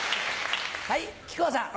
はい木久扇さん。